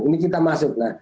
ini kita masuk